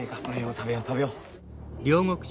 食べよう食べよう。